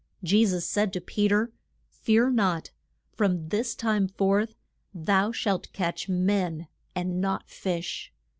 Je sus said to Pe ter, Fear not; from this time forth thou shalt catch men and not fish.